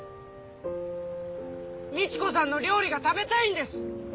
みち子さんの料理が食べたいんです！